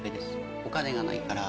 お金がないから。